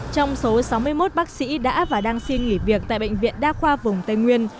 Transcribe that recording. trong số sáu mươi một bác sĩ đã và đang xin nghỉ việc tại bệnh viện đa khoa vùng tây nguyên